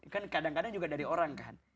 kan kadang kadang juga dari orang kan